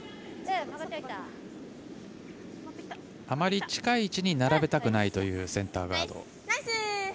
あまり近い位置に並べたくないというセンターガード。